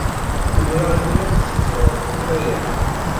Umreɣ imi ay d-tettred tuttra-a.